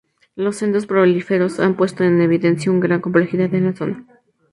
Los sondeos petrolíferos han puesto en evidencia una gran complejidad en la zona.